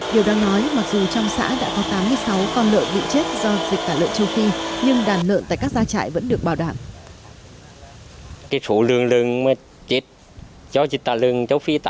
điều đang nói mặc dù trong xã đã có tám mươi sáu con lợn bị chết do dịch tả lợn châu phi